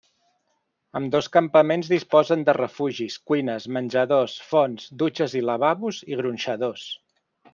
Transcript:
Ambdós campaments disposen de refugis, cuines, menjadors, fonts, dutxes i lavabos i gronxadors.